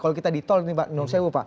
kalau kita di tol pak nusyewo